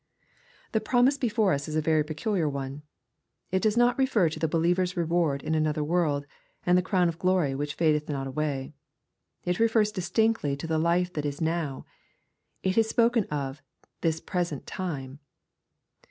'' The promise before us is a very peculiar one. It does not refer to the believer's reward in another world, and the crown of glory which fadeth not away. It refers distinctly to the life that now is. It is spoken of " this present time."